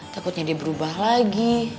takutnya dia berubah lagi